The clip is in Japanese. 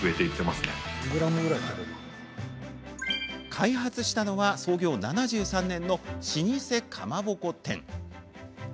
開発したのは創業７３年の老舗かまぼこ店。